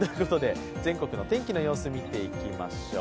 全国の天気の様子、見ていきましょう。